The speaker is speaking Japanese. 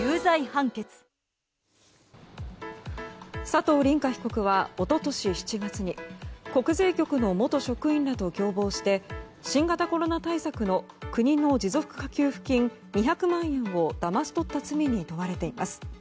佐藤凜果被告は一昨年７月に国税局の元職員らと共謀して新型コロナ対策の国の持続化給付金２００万円をだまし取った罪に問われています。